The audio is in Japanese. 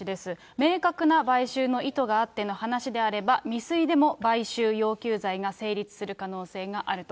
明確な買収の意図があっての話であれば、未遂でも買収要求罪が成立する可能性があると。